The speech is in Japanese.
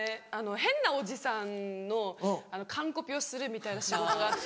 変なおじさんの完コピをするみたいな仕事があって。